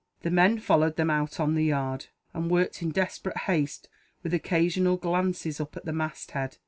The men followed them out on the yard, and worked in desperate haste, with occasional glances up at the mast head.